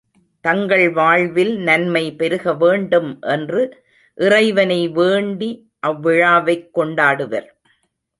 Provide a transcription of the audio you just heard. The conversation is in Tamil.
தங்கள் வாழ்வில் நன்மை பெருக வேண்டும் என்று இறைவனை வேண்டி அவ்விழாவைக் கொண்டாடுவர்.